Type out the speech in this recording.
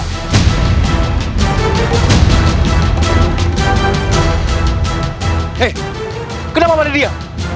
hei kenapa ada dia